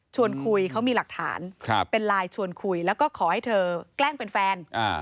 คุยเขามีหลักฐานเป็นไลน์ชวนคุยแล้วก็ขอให้เธอแกล้งเป็นแฟน